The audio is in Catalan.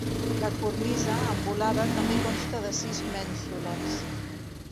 La cornisa, amb volada, també consta de sis mènsules.